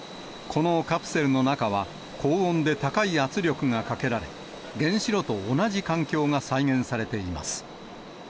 このカプセルの中は、高温で高い圧力がかけられ、原子炉と同じ環境が再現されています。